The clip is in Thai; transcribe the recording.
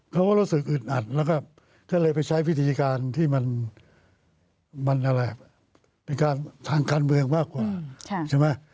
เขาก็รู้สึกอึดอัดแล้วก็ก็เลยไปใช้วิธีการที่มันอะไรเป็นการทางการเมืองมากกว่าใช่ไหม